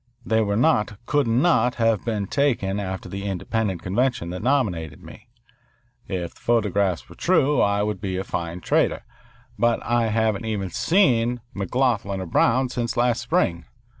They were not, could not have been taken after the independent convention that nominated me. If the photographs were true I would be a fine traitor. But I haven't even seen McLoughlin or Brown since last spring.